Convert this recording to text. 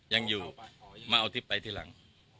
ยังอยู่มาเอาทิพย์ไปทีหลัง